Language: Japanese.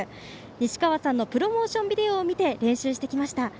西川さんのプロモーションビデオを見て練習してきました。